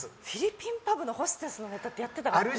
フィリピンパブのホステスのネタってやってたかな